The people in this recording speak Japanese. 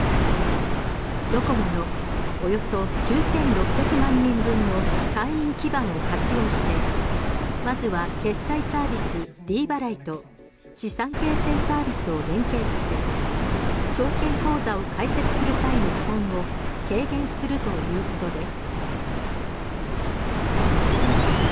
ドコモのおよそ９６００万人分の会員基盤を活用してまずは決済サービス、ｄ払いと資産形成サービスを連携させ証券口座を開設する際の負担を軽減するということです。